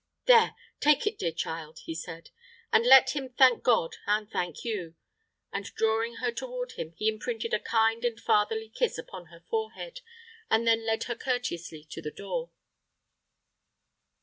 "There, take it, dear child," he said, "and let him thank God, and thank you;" and drawing her toward him, he imprinted a kind and fatherly kiss upon her forehead, and then led her courteously to the door.